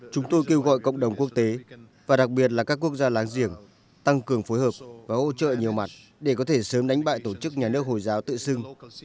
chúng tôi kêu gọi cộng đồng quốc tế và đặc biệt là các quốc gia láng giềng tăng cường phối hợp và hỗ trợ nhiều mặt để có thể sớm đánh bại tổ chức nhà nước hồi giáo tự xưng